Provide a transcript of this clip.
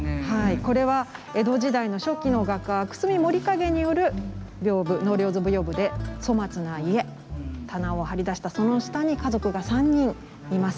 これは江戸時代の初期の画家久隅守景による粗末な家棚を張り出したその下に家族が３人います。